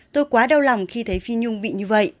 tôi quá đau lòng khi thấy phi nhung bị như vậy